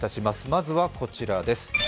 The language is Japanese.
まずはこちらです。